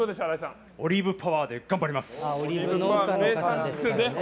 オリーブパワーで頑張ります。